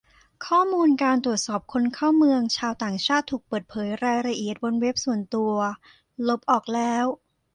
ข้อมูลการตรวจคนเข้าเมืองชาวต่างชาติถูกเปิดเผยรายละเอียดบนเว็บส่วนตัว ลบออกแล้ว